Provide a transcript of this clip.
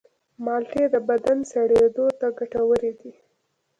مالټې د بدن سړېدو ته ګټورې دي.